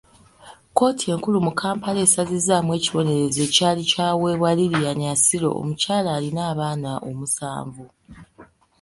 Kkooti enkulu mu Kampala esazizzaamu ekibonerezo ekyali kyaweebwa Lililian Aciro, omukyala alina abaana omusanvu.